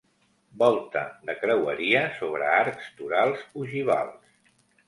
Volta de creueria sobre arcs torals ogivals.